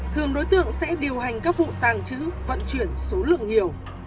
thường đối tượng sẽ điều hành các vụ tàng trữ vận chuyển số lượng nhiều